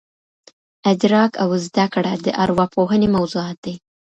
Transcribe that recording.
ادراک او زده کړه د ارواپوهني موضوعات دي.